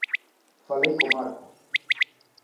Falei co Marcos.